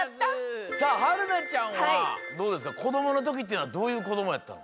さあ春菜ちゃんはどうですかこどものときっていうのはどういうこどもやった？